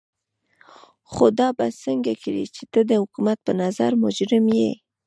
خو دا به څنګه کړې چې ته د حکومت په نظر مجرم يې.